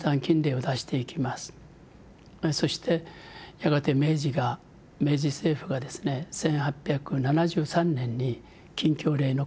そしてやがて明治が明治政府がですね１８７３年に禁教令の高札を撤去するんです。